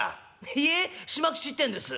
「いえ島吉ってんです」。